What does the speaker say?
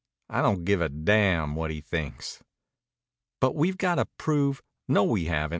I don't give a damn what he thinks." "But we've got to prove " "No, we haven't.